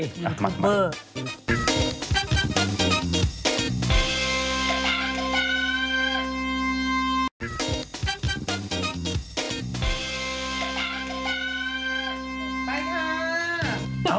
ยูทูปเปอร์มา